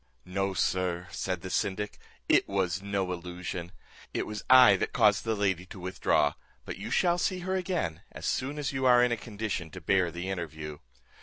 "No, sir," said the syndic, "it was no illusion. It was I that caused the lady to withdraw, but you shall see her again, as soon as you are in a condition to bear the interview.